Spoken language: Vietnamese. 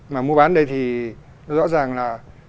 mà mua bán đây thì rõ ràng là